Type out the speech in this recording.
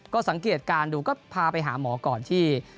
ก็สังเกตการณ์ดูก็พาไปหาหมอก่อนที่